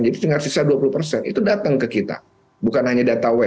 jadi tinggal sisa dua puluh itu datang ke kita bukan hanya data web